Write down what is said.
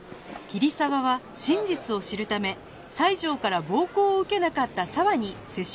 桐沢は真実を知るため西条から暴行を受けなかった澤に接触を試みました